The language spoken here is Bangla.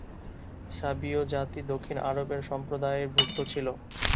সাবীয় জাতি দক্ষিণ আরবের সম্প্রদায়ভুক্ত ছিল।